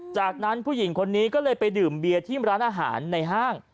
จากนั้นผู้หญิงคนนี้ก็เลยไปดื่มเบียร์ที่ร้านอาหารในห้าง